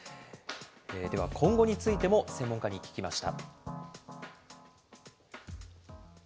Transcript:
では、今後についても専門家に聞きました。